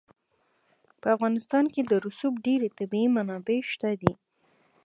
په افغانستان کې د رسوب ډېرې طبیعي منابع شته دي.